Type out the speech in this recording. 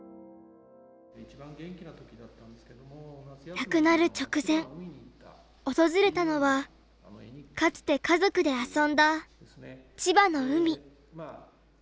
亡くなる直前訪れたのはかつて家族で遊んだ千葉の海。